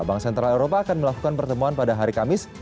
bank sentral eropa akan melakukan pertemuan pada hari kamis